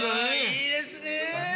いいですね